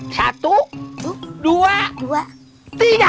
satu dua tiga